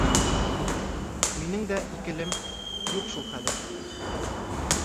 Минең дә «икеле»м юҡ шул хәҙер.